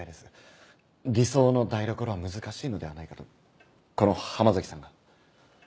理想の台所は難しいのではないかとこの浜崎さんが。